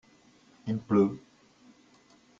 il pleut.